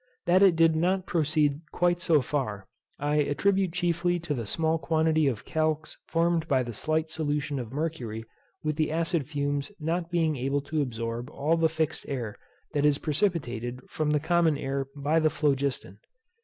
That it did not proceed quite so far, I attribute chiefly to the small quantity of calx formed by the slight solution of mercury with the acid fumes not being able to absorb all the fixed air that is precipitated from the common air by the phlogiston.